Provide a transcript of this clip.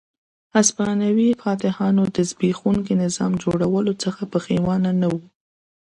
هسپانوي فاتحانو د زبېښونکي نظام جوړولو څخه پښېمانه نه وو.